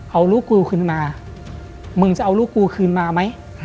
เอาลูกกูขึ้นมามึงจะเอาลูกกูคืนมาไหม